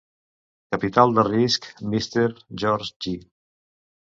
Capital de risc Mr. George J.